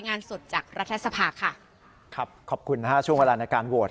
งานสดจากรัฐสภาค่ะครับขอบคุณนะฮะช่วงเวลาในการโหวต